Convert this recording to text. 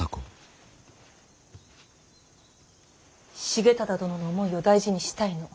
重忠殿の思いを大事にしたいの。